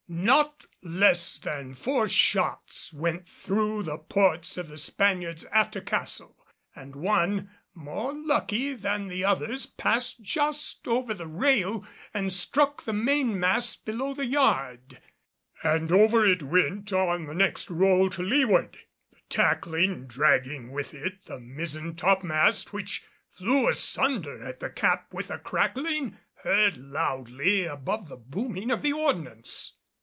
Not less than four shots went through the ports of the Spaniard's after castle and one, more lucky than the others, passed just over the rail and struck the mainmast below the yard, and over it went on the next roll to leeward, the tackling dragging with it the mizzen topmast which flew asunder at the cap with a crackling heard loudly above the booming of the ordnance.